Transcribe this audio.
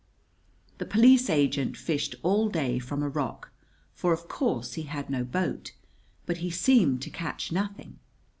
The police agent fished all day from a rock, for, of course, he had no boat; but he seemed to catch nothing.